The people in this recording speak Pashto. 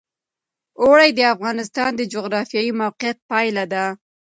اوړي د افغانستان د جغرافیایي موقیعت پایله ده.